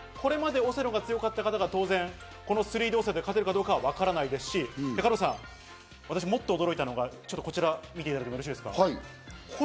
ですからこれまでオセロが強かった方が当然３Ｄ動作で勝てるかはわからないですし、加藤さん、もっと驚いたのが、こちら、見ていただいてよろしいですか？